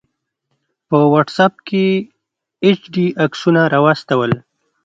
په واټس آپ کې یې ایچ ډي عکسونه راواستول